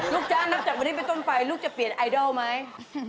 ลูกจ้างต้องจักวันนี้ไปต้นไปลูกจะเปลี่ยนไอดอลไหม